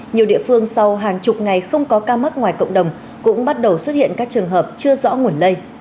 nhiều địa phương sau hàng chục ngày không có ca mắc ngoài cộng đồng cũng bắt đầu xuất hiện các trường hợp chưa rõ nguồn lây